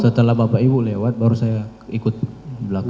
setelah bapak ibu lewat baru saya ikut belakang